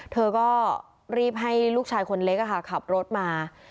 เธอก็รีบให้ลูกชายคนเล็กขับรถมา